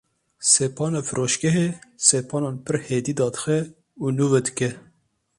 Sepana firoşgehê sepanan pir hêdî dadixe û nûve dike.